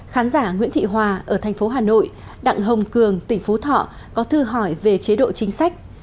khán giả nguyễn thị hòa ở thành phố hà nội đặng hồng cường tỉnh phú thọ có thư hỏi về chế độ chính sách